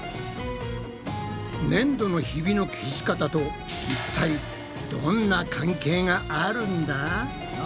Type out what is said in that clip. ねんどのヒビの消し方といったいどんな関係があるんだ？